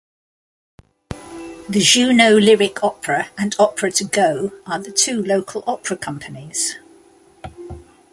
The Juneau Lyric Opera and Opera to Go are the two local opera companies.